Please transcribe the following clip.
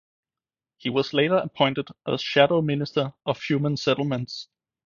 He was later appointed as Shadow Minister of Human Settlements.